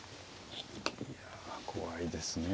いや怖いですね